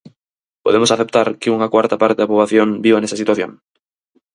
Podemos aceptar que unha cuarta parte da poboación viva nesa situación?